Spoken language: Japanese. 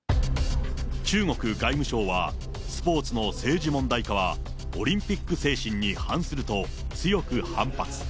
中国外務省はスポーツの政治問題化はオリンピック精神に反すると強く反発。